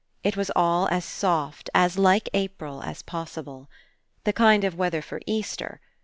It was all as soft, as like April, as possible. The kind of weather for Easter.